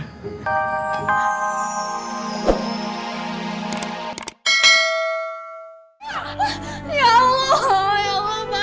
ya allah ya allah pak